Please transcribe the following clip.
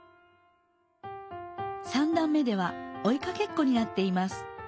３だん目ではおいかけっこになっています。